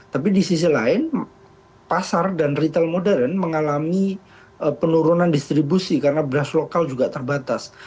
tapi di sisi lain pasar dan retail modern mengalami penurunan distribusi karena beras lokal juga terbatas